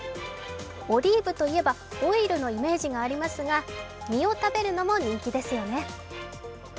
オリーブといえばオイルのイメージもありますが実を食べるのも人気ですよね。